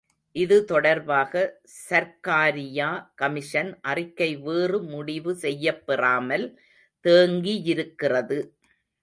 இது தொடர்பாக சர்க்காரியா கமிஷன் அறிக்கை வேறு முடிவு செய்யப்பெறாமல் தேங்கியிருக்கிறது.